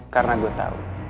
karena gue tau